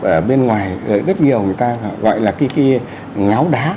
ở bên ngoài rất nhiều người ta gọi là cái kia ngáo đá